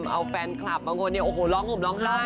เอาแฟนคลับบางคนเนี่ยโอ้โหร้องห่มร้องไห้